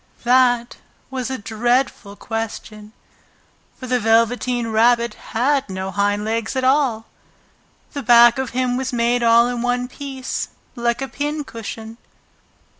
That was a dreadful question, for the Velveteen Rabbit had no hind legs at all! The back of him was made all in one piece, like a pincushion.